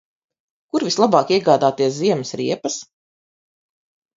Kur vislabāk iegādāties ziemas riepas?